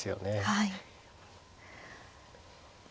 はい。